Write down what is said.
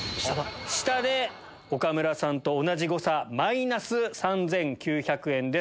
下で岡村さんと同じ誤差マイナス３９００円です。